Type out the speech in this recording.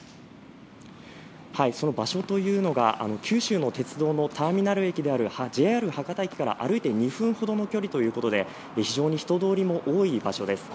その場所というのが九州の鉄道のターミナル駅であるＪＲ博多駅から歩いて２分ほどの距離ということで非常に人通りも多い場所です。